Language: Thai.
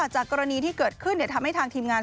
จากกรณีที่เกิดขึ้นทำให้ทางทีมงาน